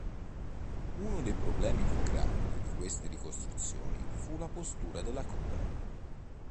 Uno dei problemi più grandi di queste ricostruzioni fu la postura della coda.